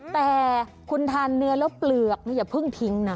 แต่คุณทานเนื้อแล้วเปลือกอย่าเพิ่งทิ้งนะ